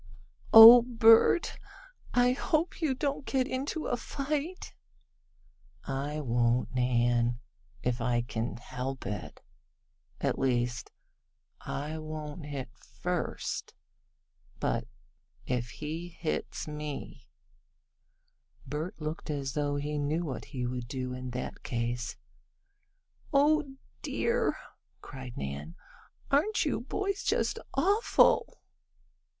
"Oh, Bert, I hope you don't get into fight." "I won't, Nan if I can help it. At least I won't hit first, but if he hits me " Bert looked as though he knew what he would do in that case. "Oh dear!" cried Nan, "aren't you boys just awful!"